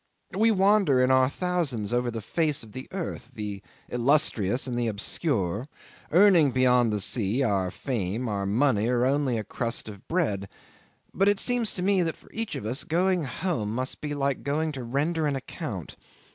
We wander in our thousands over the face of the earth, the illustrious and the obscure, earning beyond the seas our fame, our money, or only a crust of bread; but it seems to me that for each of us going home must be like going to render an account.